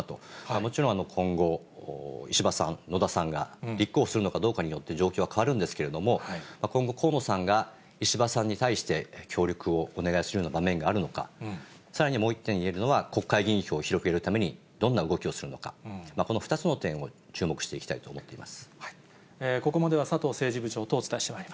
もちろん、今後、石破さん、野田さんが立候補するのかどうかによって、状況は変わるんですけれども、今後、河野さんが石破さんに対して協力をお願いするような場面があるのか、さらにはもう１点いえるのは、国会議員票を広げるためにどんな動きをするのか、この２つの点を注目していきたいと思っています。